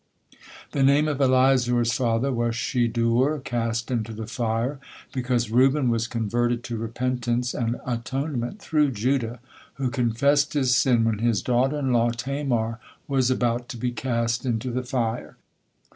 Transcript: The name of Elizur's father was Shedeur, "cast into the fire," because Reuben was converted to repentance and atonement through Judah, who confessed his sin when his daughter in law Tamar was about to be cast into the fire.